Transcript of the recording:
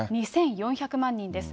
２４００万人です。